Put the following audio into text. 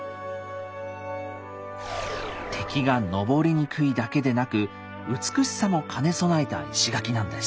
敵が登りにくいだけでなく美しさも兼ね備えた石垣なんです。